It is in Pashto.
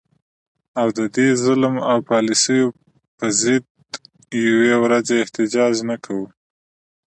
او د دې ظلم او پالیسو په ضد د یوې ورځي احتجاج نه کوو